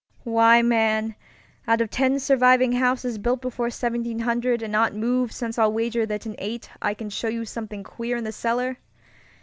"Why, man, out of ten surviving houses built before 1700 and not moved since I'll wager that in eight I can show you something queer in the cellar.